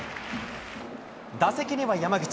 打席には山口。